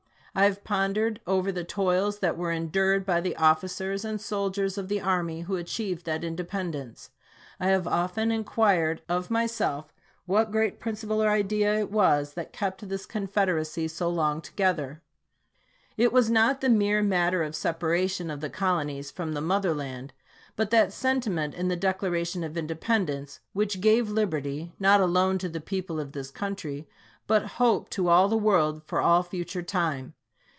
I have pondered over the toils that were endured by the officers and soldiers of the army who achieved that independence. I have often inquired of myself what great principle or idea it was that kept this Confederacy so long together. It was not the mere matter of separation of the colonies from the motherland, but that sentiment in the Declaration of Independence which gave liberty, not alone to the people of this country, but hope to all the world, for all future time.